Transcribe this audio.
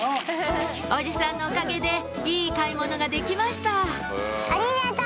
おじさんのおかげでいい買い物ができましたありがとう！